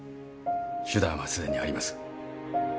手段はすでにあります。